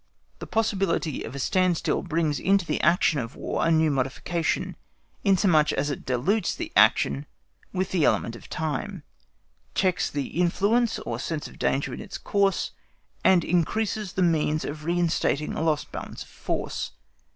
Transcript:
The possibility of a standstill brings into the action of War a new modification, inasmuch as it dilutes that action with the element of time, checks the influence or sense of danger in its course, and increases the means of reinstating a lost balance of force.